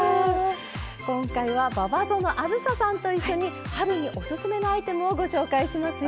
今回は馬場園梓さんと一緒に春におすすめのアイテムをご紹介しますよ。